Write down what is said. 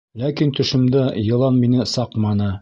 Ләкин төшөмдә йылан мине саҡманы.